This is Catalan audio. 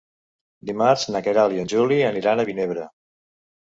Dimarts na Queralt i en Juli aniran a Vinebre.